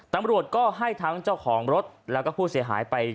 ตำรวจก็ให้ทั้งเจ้าของรถแล้วก็ผู้เสียหายไป